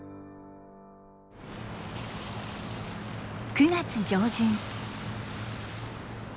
９月上旬。